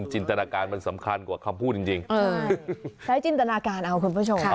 จินตนาการมันสำคัญกว่าคำพูดจริงใช้จินตนาการเอาคุณผู้ชม